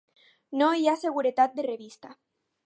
No hi ha seguretat de revista.